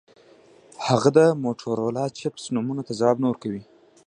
هغه د موټورولا چپس نومونو ته ځواب نه ورکوي